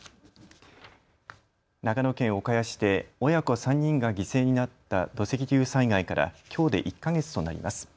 長野県岡谷市で親子３人が犠牲になった土石流災害からきょうで１か月となります。